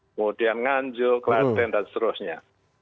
kemudian nganjur klanten dan seterusnya